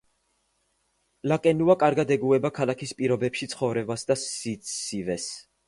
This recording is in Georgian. ლაკენუა კარგად ეგუება ქალაქის პირობებში ცხოვრებას და სიცივეს.